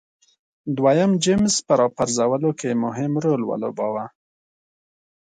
دویم جېمز په راپرځولو کې یې مهم رول ولوباوه.